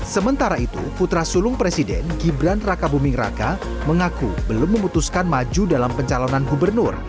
sementara itu putra sulung presiden gibran raka buming raka mengaku belum memutuskan maju dalam pencalonan gubernur